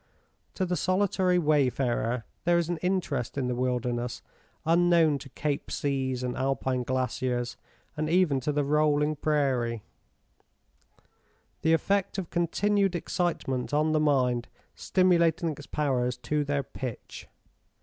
To the solitary wayfarer there is an interest in the Wilderness unknown to Cape seas and Alpine glaciers, and even to the rolling Prairie, the effect of continued excitement on the mind, stimulating its powers to their pitch.